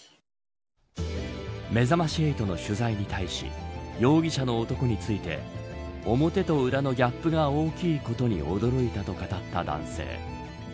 めざまし８の取材に対し容疑者の男について表と裏のギャップが大きいことに驚いたと語った男性。